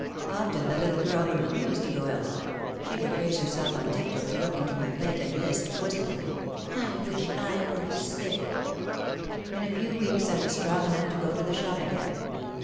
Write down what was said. Often the little girl would refuse to go out. She would raise herself on tiptoe to look into my plate and lisp wistfully: "I wish I were sick." In a few weeks I was strong enough to go to the shop again.